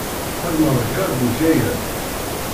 Txedmeḍ kra deg ukayad?